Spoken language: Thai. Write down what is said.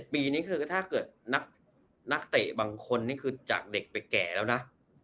ปีนี้คือถ้าเกิดนักเตะบางคนนี่คือจากเด็กไปแก่แล้วนะ